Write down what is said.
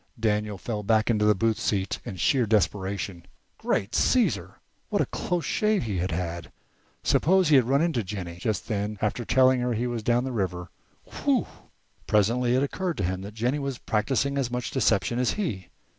Daniel fell back into the booth seat in sheer desperation. Great Caesar! what a close shave he had had! Suppose he had run into Jennie just then, after telling her he was down the river! Whew! Presently it occurred to him that Jennie was practising as much deception as he.